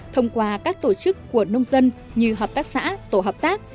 thông qua các tổ chức của nông dân như hợp tác xã tổ hợp tác